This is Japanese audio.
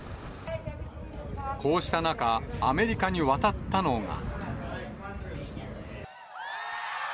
こうした中、アメリカに渡ったのが。